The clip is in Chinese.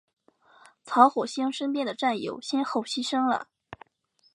曹火星身边的战友先后牺牲了。